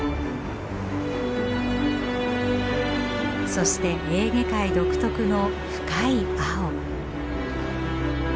そしてエーゲ海独特の深い青。